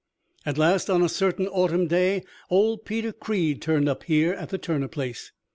"At last, on a certain autumn day, old Peter Creed turned up here at the Turner place.